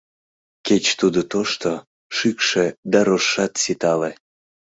Кеч тудо тошто, шӱкшӧ да рожшат ситале